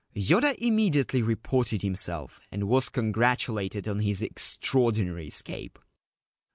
Yoda immediately reported himself, and was con gratulated on his extraordinary escape.